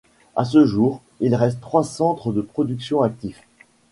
À ce jour, il reste trois centres de production actifs.